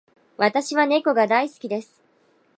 私は猫が大好きです。